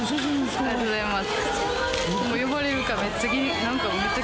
ありがとうございます。